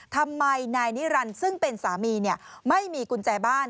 ทำไมนายนิรันดิ์ซึ่งเป็นสามีไม่มีกุญแจบ้าน